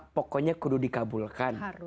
pokoknya kudu dikabulkan